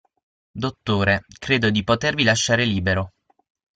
Dottore, credo di potervi lasciare libero.